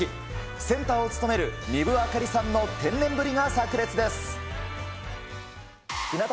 センターを務める丹生明里さんの天然ぶりがさく裂です。